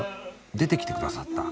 出てきてくださった。